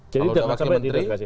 kalau sudah wakil menteri